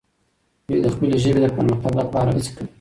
دوی د خپلې ژبې د پرمختګ لپاره هڅې کوي.